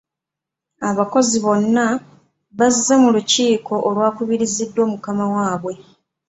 Abakozi bonna baazze mu lukiiko olwakubiriziddwa mukama waabwe.